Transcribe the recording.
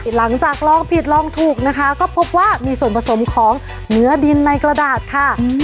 หลังจากลองผิดลองถูกนะคะก็พบว่ามีส่วนผสมของเนื้อดินในกระดาษค่ะ